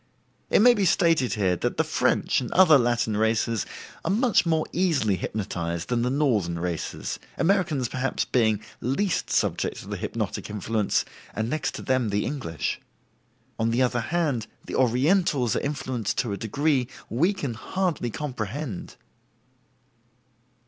It may be stated here that the French and other Latin races are much more easily hypnotized than the northern races, Americans perhaps being least subject to the hypnotic influence, and next to them the English. On the other hand, the Orientals are influenced to a degree we can hardly comprehend.